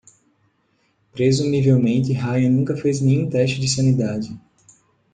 Presumivelmente, Ryan nunca fez nenhum teste de sanidade.